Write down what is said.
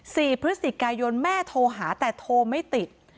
สี่พฤศจิกายนแม่โทรหาแต่โทรไม่ติด